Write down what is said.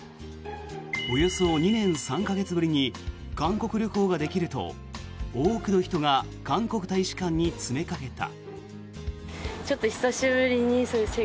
およそ２年３か月ぶりに韓国旅行ができると多くの人が韓国大使館に詰めかけた。